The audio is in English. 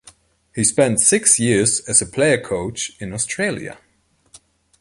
He spent six years as a player-coach in Australia.